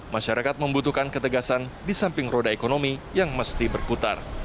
masyarakat membutuhkan ketegasan di samping roda ekonomi yang mesti berputar